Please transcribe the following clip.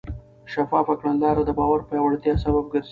شفافه کړنلاره د باور پیاوړتیا سبب ګرځي.